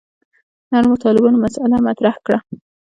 نرمو طالبانو مسأله مطرح کړه.